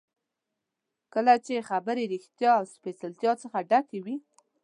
کله چې خبرې ریښتیا او سپېڅلتیا څخه ډکې وي.